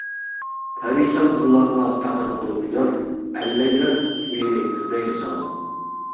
پەرىشان دىللارغا پەقەت بولۇپ يار، ئەللەيلەر كۈيىنى ئىزدەيدۇ ساڭا.